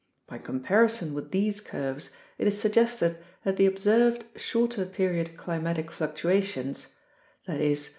By com parison with these curves, it is suggested that the observed shorter period climatic fluctuations (i.e.